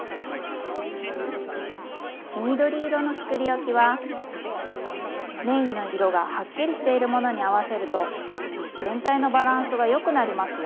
黄緑色のつくりおきはメインの色がはっきりしているものに合わせると全体のバランスがよくなりますよ。